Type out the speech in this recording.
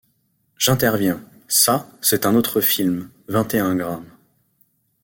J’interviens :— Ça, c’est un autre film : vingt et un grammes.